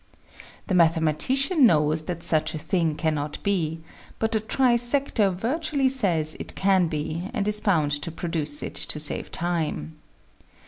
The mathematician knows that such a thing cannot be ; but the trisector virtually says it can be, and is bound to produce it to save time.